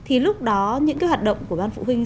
thì lúc đó những cái hoạt động của ban phụ huynh